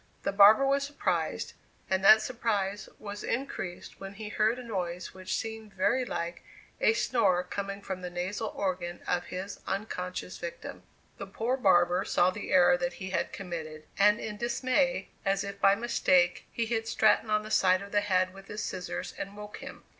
The barber was surprised, and that surprise was increased when he heard a noise which seemed very like a snore coming from the nasal organ of his unconscious victim. The poor barber saw the error that he had committed, and in dismay, as if by mistake, he hit Stratton on the side of the head with his scissors, and woke him.